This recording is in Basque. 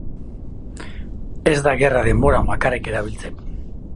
Ez da gerra denboran bakarrik erabiltzen.